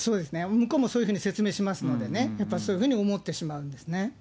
向こうもそういうふうに説明しますのでね、やっぱりそういうふうに思ってしまうんですね。